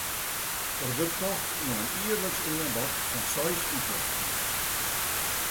Der wurdt tocht oan in jierliks oanbod fan seis útjeften.